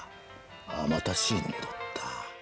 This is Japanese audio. またＣに戻った。